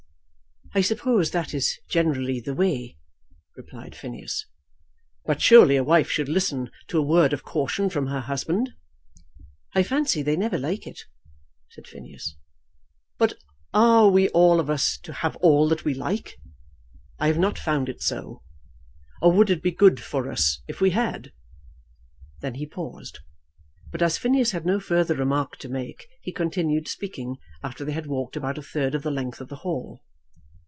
"I suppose that is generally the way," replied Phineas. "But surely a wife should listen to a word of caution from her husband." "I fancy they never like it," said Phineas. "But are we all of us to have all that we like? I have not found it so. Or would it be good for us if we had?" Then he paused; but as Phineas had no further remark to make, he continued speaking after they had walked about a third of the length of the hall.